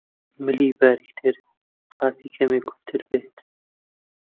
ملی باریکتر، قاچی کەمێک کورتتر بێت